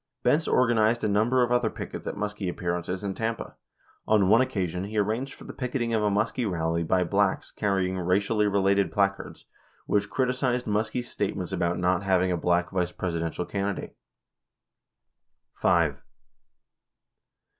Benz organized a number of other pickets at Muskie appearances in Tampa. On one occasion, he arranged for the picketing of a Muskie rally by blacks carrying "racially related placards" which criticized Muskie's statements about not having a black Vice Presidential can didate. 10 5.